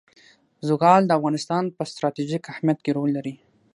زغال د افغانستان په ستراتیژیک اهمیت کې رول لري.